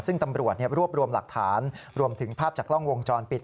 ซึ่งตำรวจรวบรวมหลักฐานรวมถึงภาพจากกล้องวงจรปิด